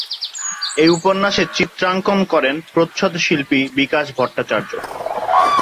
এই উপন্যাসের চিত্রাঙ্কন করেন প্রচ্ছদ শিল্পী বিকাশ ভট্টাচার্য।